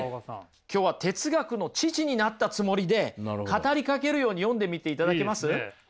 今日は哲学の父になったつもりで語りかけるように読んでみていただけます？